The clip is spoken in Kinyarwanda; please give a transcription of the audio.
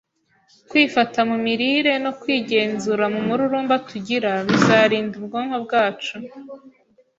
Kwifata mu mirire no kwigenzura mu mururumba tugira bizarinda ubwonko bwacu